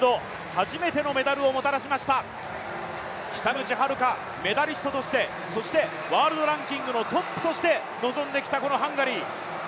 初めてのメダルをもたらしました北口榛花、メダリストとして、そしてワールドランキングのトップとして臨んできたこのハンガリー。